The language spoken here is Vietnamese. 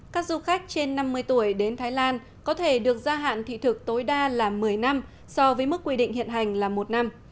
các du khách trên năm mươi tuổi đến thái lan có thể được gia hạn thị thực tối đa là một mươi năm so với mức quy định hiện hành là một năm